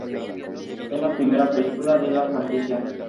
Es la primera película de la franquicia.